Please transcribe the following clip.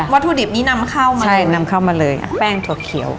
ถุดิบนี้นำเข้ามาเลยนำเข้ามาเลยแป้งถั่วเขียว